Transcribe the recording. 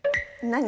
何？